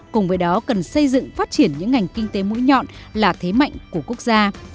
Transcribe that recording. cùng với đó cần xây dựng phát triển những ngành kinh tế mũi nhọn là thế mạnh của quốc gia